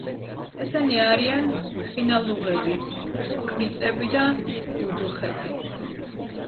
ესენი არიან ხინალუღები, კრიწები და ბუდუხები.